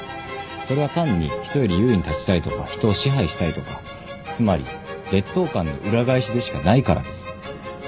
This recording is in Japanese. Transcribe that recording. それは単に人より優位に立ちたいとか人を支配したいとかつまり劣等感の裏返しでしかないからです。